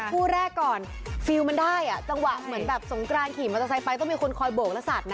พูดใจมาแล้วมาแล้ว